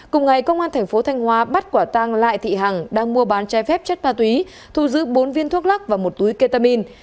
cùng ngày công an thành phố thanh hóa bắt quả tang lại thị hằng đang mua bán trái phép chất ma túy thu giữ bốn viên thuốc lắc và một túi ketamine